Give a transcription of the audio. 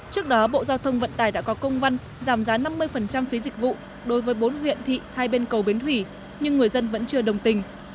trước đó bộ giao thông vận tải đã có công văn giảm giá năm mươi phí dịch vụ đối với bốn huyện thị hai bên cầu bến thủy nhưng người dân vẫn chưa đồng tình